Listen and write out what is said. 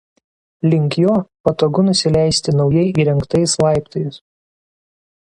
Link jo patogu nusileisti naujai įrengtais laiptais.